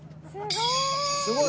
すごーい！